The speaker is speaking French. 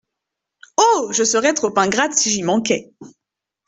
Oh ! je serais trop ingrate si j'y manquais.